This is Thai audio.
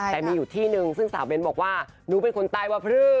แต่มีอยู่ที่นึงซึ่งสาวเบนบอกว่านุ้วเป็นคนไตรวพรือ